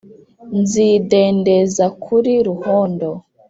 nzidendeza kuri ruhondo,